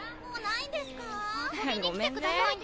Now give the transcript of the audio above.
遊びに来てくださいね。